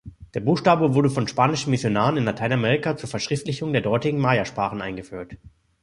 Der Buchstabe wurde von spanischen Missionaren in Lateinamerika zur Verschriftlichung der dortigen Maya-Sprachen eingeführt.